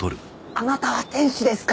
あなたは天使ですか？